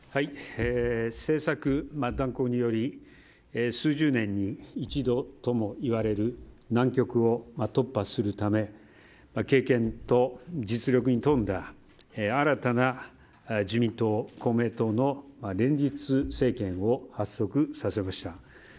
政策断行により数十年に一度ともいわれる難局を突破するため経験と実力に富んだ新たな自民党公明党の連立政権を発足させました。